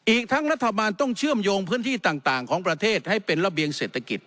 อีกทั้งรัฐบาลต้องเชื่อมโยงพื้นที่ต่างของประเทศให้เป็นระเบียงเศรษฐกิจ